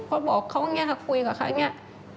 พอบอกเขาอย่างนี้ค่ะคุยกับเขาอย่างนี้